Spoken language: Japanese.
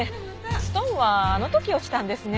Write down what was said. ストーンはあの時落ちたんですね。